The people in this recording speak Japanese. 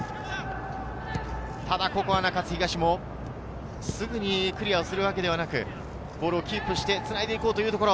ただ、ここは中津東もすぐにクリアをするわけではなく、ボールをキープしてつないでいこうというところ。